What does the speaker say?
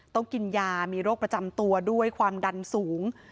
ต้องกินยามีโรคประจำตัวด้วยความดันสูง